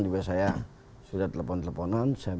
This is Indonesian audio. juga saya sudah telepon teleponan